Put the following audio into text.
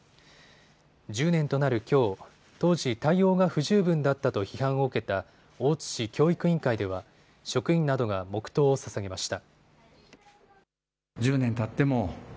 １０年となるきょう、当時、対応が不十分だったと批判を受けた大津市教育委員会では職員などが黙とうをささげました。